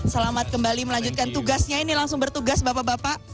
selamat kembali melanjutkan tugasnya ini langsung bertugas bapak bapak